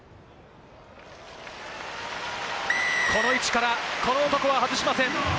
この位置から、この男は外しません。